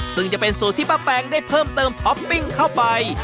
ซึ่งจะเป็นสูตรที่ป้าแปงได้เพิ่มเติมท็อปปิ้งเข้าไป